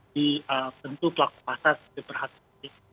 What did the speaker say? di bentuk pelaku pasar sedikit berhati hati